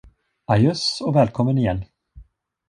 Ajöss och välkommen igen.